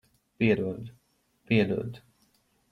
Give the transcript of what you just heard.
Piedod. Piedod.